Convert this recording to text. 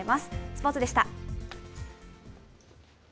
スポーツでした。